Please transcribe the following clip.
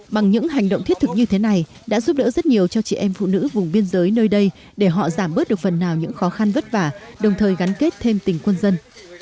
bằng những hành động thiết thực như thế này đã giúp đỡ rất nhiều cho chị em phụ nữ vùng biên giới nơi đây để họ giảm bớt được phần nào những khó khăn vất vả đồng thời gắn kết thêm tình quân dân